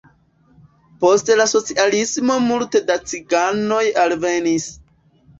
Post la socialismo multe da ciganoj alvenis.